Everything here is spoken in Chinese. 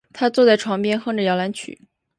她坐在床边哼着摇篮曲